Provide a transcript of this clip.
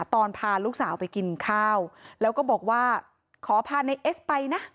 ตอนพาลูกสาวไปกินข้าวแล้วก็บอกว่าขอพาในเอสไปนะ